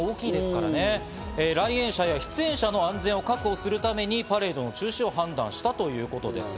来園者や出演者の安全を確保するためにパレードの中止を判断したということです。